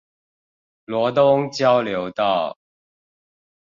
羅東交流道